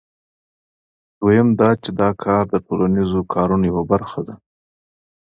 دویم دا چې دا کار د ټولنیزو کارونو یوه برخه ده